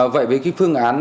vậy với cái phương án